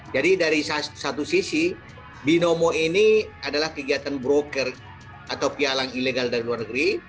jadi dari satu sisi binomo ini adalah kegiatan broker atau pialang ilegal dari luar negeri